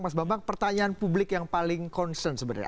mas bambang pertanyaan publik yang paling concern sebenarnya